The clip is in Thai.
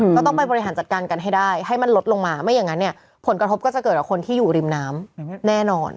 ก็ต้องไปบริหารจัดการกันให้ได้ให้มันลดลงมาไม่อย่างนั้นเนี่ยผลกระทบก็จะเกิดกับคนที่อยู่ริมน้ำแน่นอน